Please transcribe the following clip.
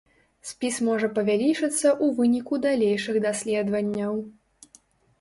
Спіс можа павялічыцца ў выніку далейшых даследаванняў.